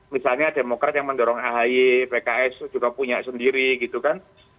misalnya demokrat yang mendorong ahy pks juga punya sendiri gitu kan